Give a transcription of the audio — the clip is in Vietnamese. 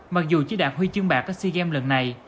mặc dù chỉ đạt huy chương bạc ở sea games lần này